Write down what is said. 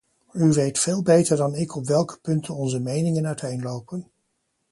U weet veel beter dan ik op welke punten onze meningen uiteenlopen.